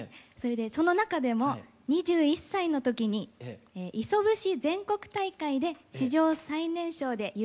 その中でも２１歳の時に磯節全国大会で史上最年少で優勝させて頂きました。